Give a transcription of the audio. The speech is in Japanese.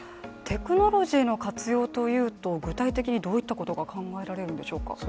テクノロジーの活用というと、具体的にどういったことが考えられるんでしょうか。